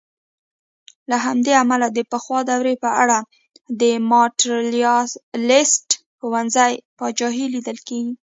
له همدې امله د پخوا دورې په اړه د ماتریالیسټ ښوونځي پاچاهي لیدل کېږي.